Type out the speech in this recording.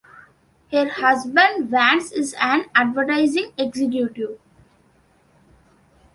Her husband Vance is an advertising executive.